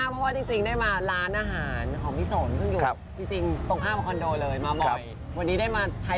พี่สนสบายดีเพิ่งแต่งงานด้วย